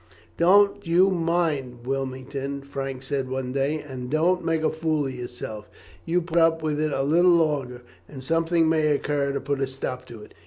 "Don't you mind, Wilmington," Frank said one day, "and don't make a fool of yourself. You put up with it a little longer, and something may occur to put a stop to it.